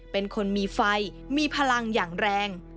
เป็นคนมีไฟมีพลังอย่างแรง